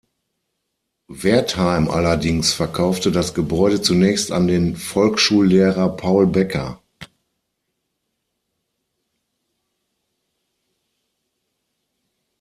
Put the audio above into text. Wertheim allerdings verkaufte das Gebäude zunächst an den Volksschullehrer Paul Becker.